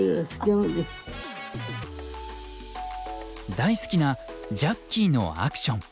大好きな「ジャッキーのアクション」。